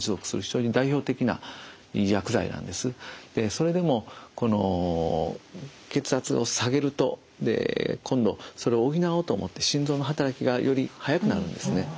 それでも血圧を下げると今度それを補おうと思って心臓の働きがより速くなるんですね。